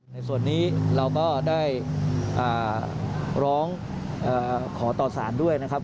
ในส่วนนี้เราก็ได้ร้องขอต่อสารด้วยนะครับ